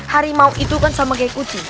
hari mau itu kan sama kayak uji